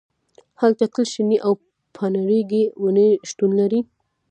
هلته تل شنې او پاڼریزې ونې شتون لري